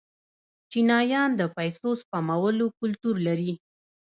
چینایان د پیسو سپمولو کلتور لري.